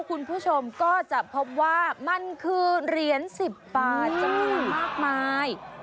คุณผู้ชมก็จะพบว่ามันคือเหรียญ๑๐บาทจำนวนมากมาย